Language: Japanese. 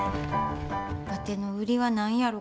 わての売りは何やろか？